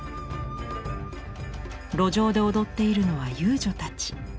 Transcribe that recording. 路上で踊っているのは遊女たち。